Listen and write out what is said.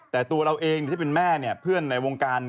แต่ตัวเราเองที่เป็นแม่เพื่อนในวงการ